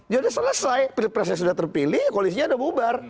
jadi selesai pilpresnya sudah terpilih koalisinya sudah bubar